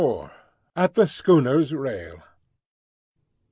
AT THE SCHOONER'S RAIL.